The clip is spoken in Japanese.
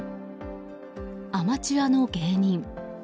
アマチュアの芸人。